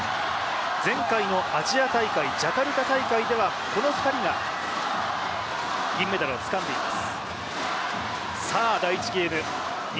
前回のアジア大会、ジャカルタ大会ではこの２人が銀メダルをつかんでいます。